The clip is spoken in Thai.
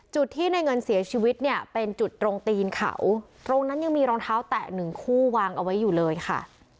จุดที่ในเงินเสียชีวิตเนี่ยเป็นจุดตรงตีนเขาตรงนั้นยังมีรองเท้าแตะหนึ่งคู่วางเอาไว้อยู่เลยค่ะ